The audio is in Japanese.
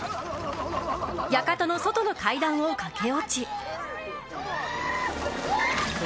館の外の階段を駆け落ち。